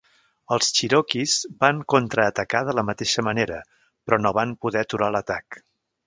Els cherokees van contraatacar de la mateixa manera, però no van poder aturar l'atac.